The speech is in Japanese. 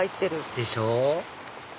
でしょ！